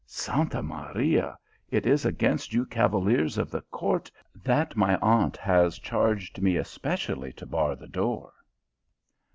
" Santa Maria ! It is against you cavaliers of the court that my aunt has charged me especially to bar the door."